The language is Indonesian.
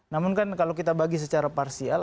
namun kan kalau kita bagi secara parsial